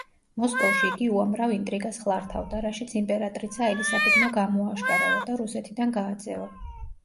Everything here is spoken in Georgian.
მოსკოვში იგი უამრავ ინტრიგას ხლართავდა, რაშიც იმპერატრიცა ელისაბედმა გამოააშკარავა და რუსეთიდან გააძევა.